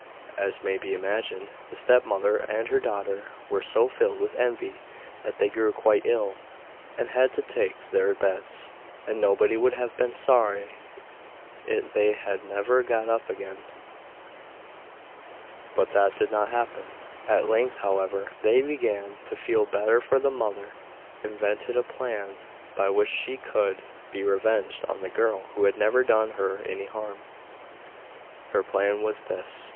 As may be imagined, the stepmother and her daughter were so filled with envy that they grew quite ill, and had to take to their beds, and nobody would have been sorry it they had never got up again; but that did not happen. At length, however, they began to feel better, for the mother invented a plan by which she could be revenged on the girl who had never done her any harm. Her plan was this.